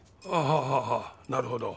はあはあなるほど。